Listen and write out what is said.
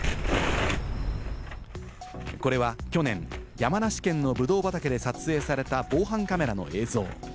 これは去年、山梨県のブドウ畑で撮影された防犯カメラの映像。